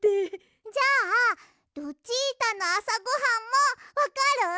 じゃあルチータのあさごはんもわかる？